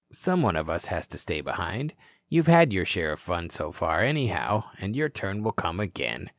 Some one of us has to stay behind. You've had your share of the fun so far, anyhow, and your turn will come again."